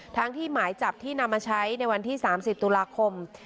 ทั้งที่หมายจับที่นำมาใช้ในวันที่๓๐ตุลาคม